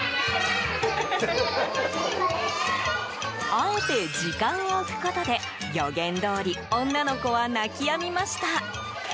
あえて時間を置くことで予言どおり女の子は泣き止みました。